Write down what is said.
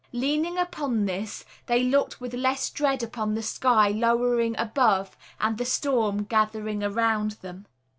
Leaning upon this, they looked with less dread upon the sky lowering above and the storm gathering around them.